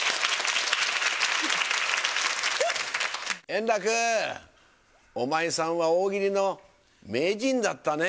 円楽、お前さんは大喜利の名人だったね。